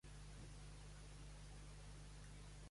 Ha estat col·laborador a El Temps i d'El País.